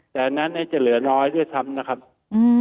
แต่อันนั้นจะเหลือน้อยด้วยสามนะครับ